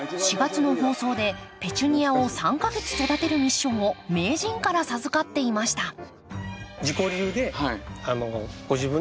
４月の放送でペチュニアを３か月育てるミッションを名人から授かっていました